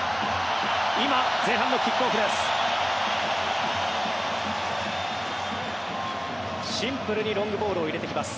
今、前半のキックオフです。